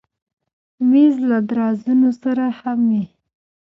مېز له درازونو سره هم وي.